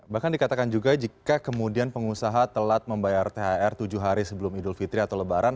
bahkan dikatakan juga jika kemudian pengusaha telat membayar thr tujuh hari sebelum idul fitri atau lebaran